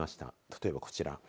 例えばこちら。